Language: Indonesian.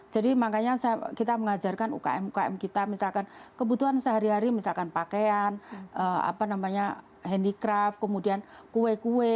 jadi makanya kita mengajarkan ukm ukm kita misalkan kebutuhan sehari hari misalkan pakaian handicraft kemudian kue kue